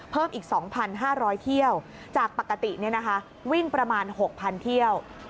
เพิ่มอีก๒๕๐๐เที่ยวจากปกติวิ่งประมาณ๖๐๐เที่ยว